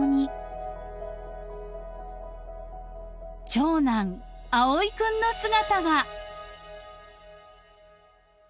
［長男葵君の姿が］